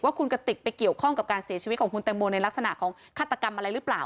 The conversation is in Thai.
คุณกติกไปเกี่ยวข้องกับการเสียชีวิตของคุณแตงโมในลักษณะของฆาตกรรมอะไรหรือเปล่า